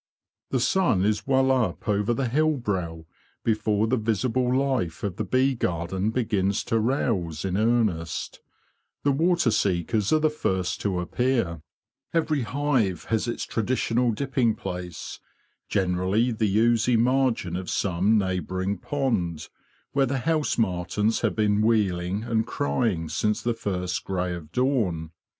The sun is well up over the hillbrow before the visible life of the bee garden begins to rouse in earnest. The a are the first to appear. 104 SUMMER LIFE IN A BEE HIVE 165 Every hive has its traditional dipping place, generally the oozy margin of some neighbouring pond, where the house martins have been wheeling and crying since the first grey of dawn.